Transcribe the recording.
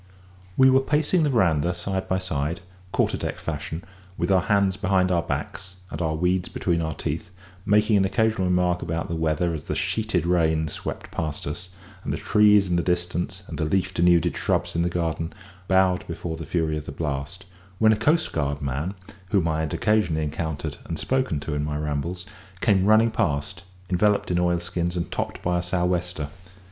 We were pacing the verandah side by side, quarter deck fashion, with our hands behind our backs and our weeds between our teeth, making an occasional remark about the weather as the sheeted rain swept past us, and the trees in the distance and the leaf denuded shrubs in the garden bowed before the fury of the blast, when a coastguard man, whom I had occasionally encountered and spoken to in my rambles, came running past, enveloped in oilskins and topped by a sou' wester.